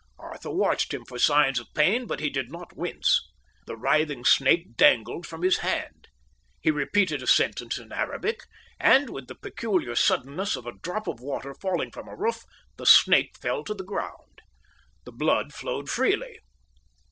Arthur watched him for signs of pain, but he did not wince. The writhing snake dangled from his hand. He repeated a sentence in Arabic, and, with the peculiar suddenness of a drop of water falling from a roof, the snake fell to the ground. The blood flowed freely.